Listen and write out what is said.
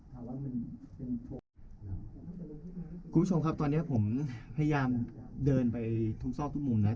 คุณผู้ชมครับตอนเนี้ยผมพยายามเดินไปทุกซอกทุกมุมแล้ว